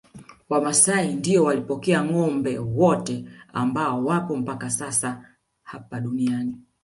Wamasai ndio walipokea ngâombe wote ambao wapo mpaka sasa hapa duniani